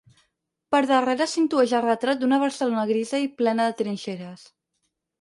Per darrere s’intueix el retrat d’una Barcelona grisa i plena de trinxeres.